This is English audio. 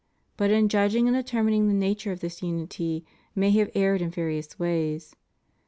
But in judging and determining the nature of this unity many have erred in various ways.